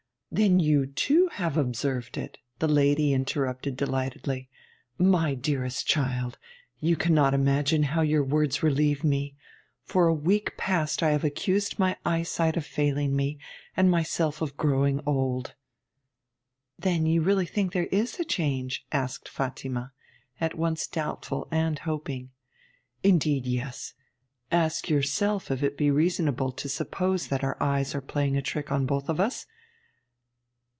'Then you, too, have observed it!' the lady interrupted delightedly. 'My dearest child, you cannot imagine how your words relieve me! For a week past I have accused my eyesight of failing me, and myself of growing old.' 'Then you really think there is a change?' asked Fatima, at once doubtful and hoping. 'Indeed, yes. Ask yourself if it be reasonable to suppose that our eyes are playing a trick on both of us?